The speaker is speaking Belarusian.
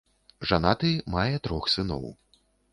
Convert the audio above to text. Жанаты, мае трох сыноў.